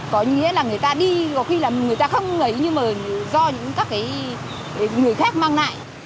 có nghĩa là người ta đi có khi là người ta không ngấy nhưng mà do những các người khác mang lại